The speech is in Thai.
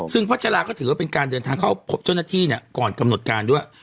สิ่งพทลศ์ก็ถือว่าเป็นการเดินทางเข้าจิตรนัทธิก่อนกำหนดการด้วย